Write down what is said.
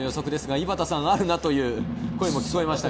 井端さん、あるなという声も聞こえました。